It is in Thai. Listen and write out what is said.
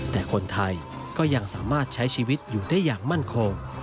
แต่คนไทยก็ยังสามารถใช้ชีวิตอยู่ได้อย่างมั่นคง